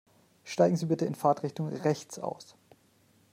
Steigen Sie bitte in Fahrtrichtung rechts aus.